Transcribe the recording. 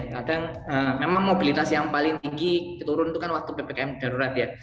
kadang memang mobilitas yang paling tinggi turun itu kan waktu ppkm darurat ya